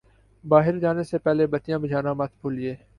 باہر جانے سے پہلے بتیاں بجھانا مت بھولئے